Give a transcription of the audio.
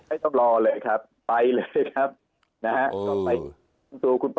ไม่ต้องรอเลยครับไปเลยครับนะครับ